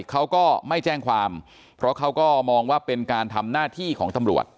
เขาก็ไม่แจ้งความเพราะเขาก็มองว่าเป็นการทำหน้าที่ของตำรวจ